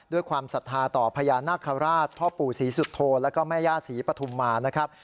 ความศรัทธาต่อพญานาคาราชพ่อปู่ศรีสุโธแล้วก็แม่ย่าศรีปฐุมมานะครับ